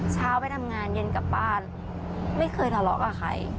ไปทำงานเย็นกลับบ้านไม่เคยทะเลาะกับใคร